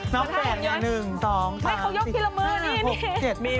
น้องแฝดเนี่ย๑๒๓๔๕๖๗๘